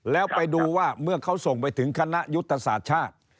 แล้วไปดูว่าเมื่อเขาส่งไปถึงคณะยุทธศาสตร์ชาติ